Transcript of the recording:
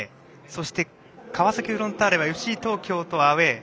そして川崎フロンターレはＦＣ東京とアウェー。